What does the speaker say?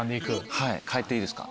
はい変えていいですか。